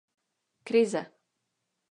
Krize!